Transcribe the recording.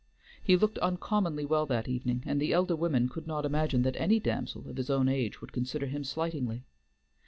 He looked uncommonly well that evening, and the elder women could not imagine that any damsel of his own age would consider him slightingly.